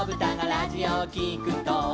「ラジオをきくと」